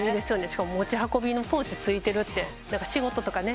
しかも持ち運びのポーチ付いてるって仕事とかね